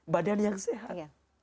badan yang sehat